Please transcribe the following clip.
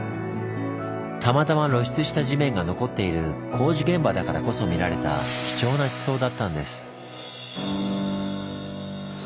たまたま露出した地面が残っている工事現場だからこそ見られた貴重な地層だったんです。